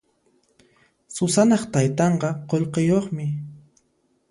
Susanaq taytanqa qullqiyuqmi.